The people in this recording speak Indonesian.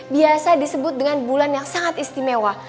biasa disebut dengan bulan yang sangat istimewa